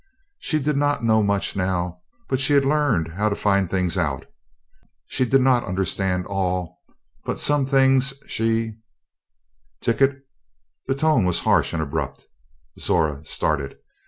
She did not know much now but she had learned how to find things out. She did not understand all, but some things she "Ticket" the tone was harsh and abrupt. Zora started.